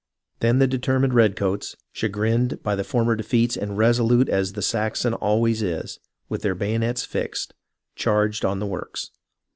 Then the determined redcoats, chagrined by the former defeats and resolute as the Saxon always is, with their bayonets fixed, charged on the works.